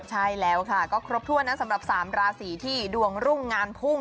ใช่แล้วค่ะก็ครบถ้วนนะสำหรับ๓ราศีที่ดวงรุ่งงานพุ่ง